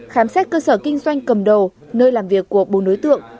khám xét cơ sở kinh doanh cầm đồ nơi làm việc của bốn đối tượng